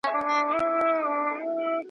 ¬ درواغجن حافظه نه لري.